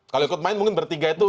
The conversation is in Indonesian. kalau ikut main mungkin bertiga itu